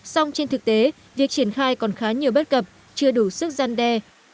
song trên thực tế việc triển khai còn khá nhiều bất cập chưa đủ sức gian đe